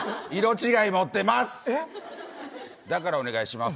だから、お願いします。